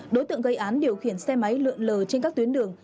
đối tượng gây án điều khiển xe máy lượn lờ trên các tuyến đường